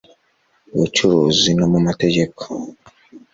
bucuruzi no mu mategeko